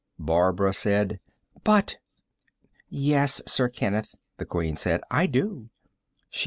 Barbara said: "But " "Yes, Sir Kenneth," the Queen said, "I do."